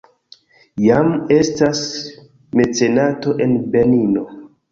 Jam estas mecenato en Benino.